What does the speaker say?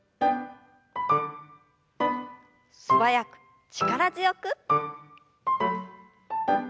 素早く力強く。